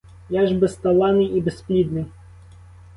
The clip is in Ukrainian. Я ж безталанний і безплідний.